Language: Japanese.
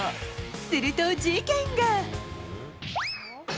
すると事件が。